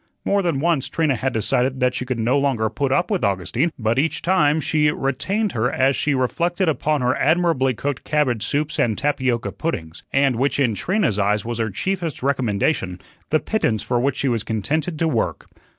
More than once Trina had decided that she could no longer put up with Augustine but each time she had retained her as she reflected upon her admirably cooked cabbage soups and tapioca puddings, and which in Trina's eyes was her chiefest recommendation the pittance for which she was contented to work.